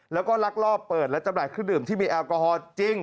แล้วก็ลักลอบเปิดและจำหน่ายเครื่องดื่มที่มีแอลกอฮอล์จริง